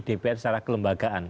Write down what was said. yang dimiliki dpr secara kelembagaan